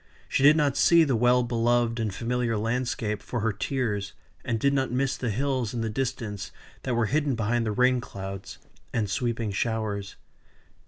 She did not see the well beloved and familiar landscape for her tears, and did not miss the hills in the distance that were hidden behind the rain clouds, and sweeping showers.